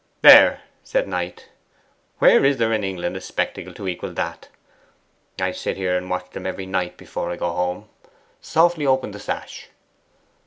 'There!' said Knight, 'where is there in England a spectacle to equal that? I sit there and watch them every night before I go home. Softly open the sash.